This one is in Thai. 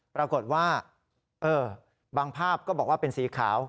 ปรากฏว่าบางภาพก็บอกว่าเป็นสีขาว